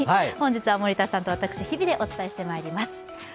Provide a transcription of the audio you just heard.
本日は森田さんと私、日比でお伝えしていきます。